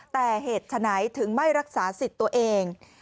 แต่เหตุฉะไหนถึงไม่รักษาสิทธิ์ตัวเอง